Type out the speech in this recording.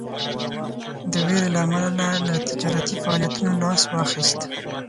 د ویرې له امله له تجارتي فعالیتونو لاس واخیست.